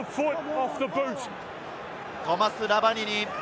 トマス・ラバニニ。